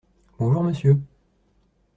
Bonjour monsieur.